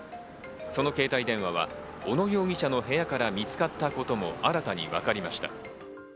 その携帯電話は小野容疑者の部屋から見つかったことも新たに分かりました。